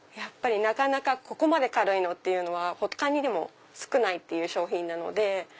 なかなかここまで軽いのっていうのは他に少ないっていう商品なので。